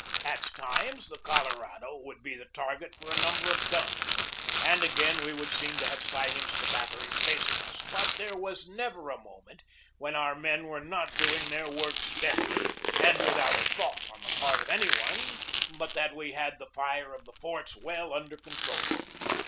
At times the Colorado would be the target for a number of guns, and again we would seem to have silenced the batteries facing us. But there was never a moment when our men were not doing their work steadily and without a thought on the part of any one but that we had the fire of the forts well under control.